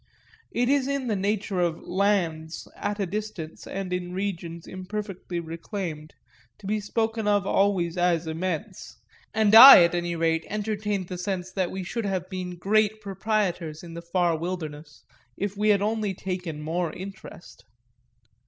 It is in the nature of "lands" at a distance and in regions imperfectly reclaimed to be spoken of always as immense, and I at any rate entertained the sense that we should have been great proprietors, in the far wilderness, if we had only taken more interest.